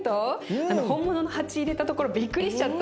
本物の鉢入れたところびっくりしちゃった。